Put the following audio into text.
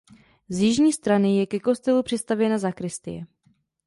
Z jižní strany je ke kostelu přistavěna sakristie.